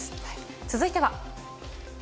続いては。